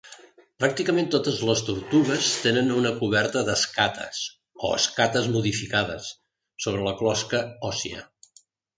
Pràcticament totes les tortugues tenen una coberta d'escates, o escates modificades, sobre la closca òssia.